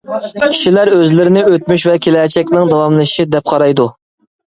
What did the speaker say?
كىشىلەر ئۆزلىرىنى ئۆتمۈش ۋە كېلەچەكنىڭ داۋاملىشىشى دەپ قارايدۇ.